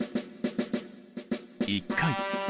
１回。